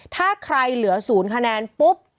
ถ้าใครเหลือ๐คะแนนปุ๊บ